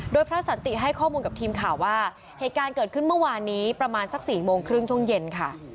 โดยพระสันติให้ข้อมูลกับทีมข่าวว่าเหตุการณ์เกิดขึ้นเมื่อวานนี้ประมาณสัก๔โมงครึ่งช่วงเย็นค่ะ